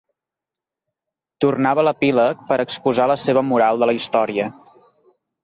Tornava a l’epíleg per exposar la seva moral de la història.